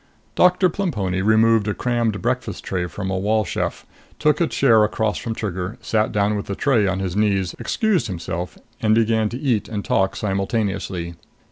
Doctor Plemponi removed a crammed breakfast tray from a wall chef, took a chair across from Trigger, sat down with the tray on his knees, excused himself, and began to eat and talk simultaneously.